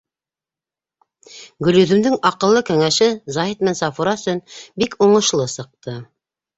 Гөлйөҙөмдөң аҡыллы кәңәше Заһит менән Сафура өсөн бик уңышлы сыҡты.